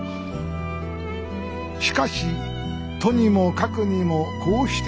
しかしとにもかくにもこうして